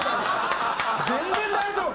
全然大丈夫！